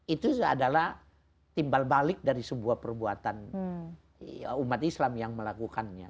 itu adalah timbal balik dari sebuah perbuatan umat islam yang melakukannya